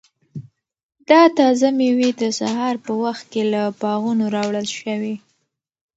دا تازه مېوې د سهار په وخت کې له باغونو راوړل شوي.